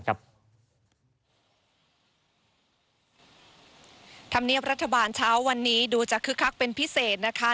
ธรรมเนียบรัฐบาลเช้าวันนี้ดูจะคึกคักเป็นพิเศษนะคะ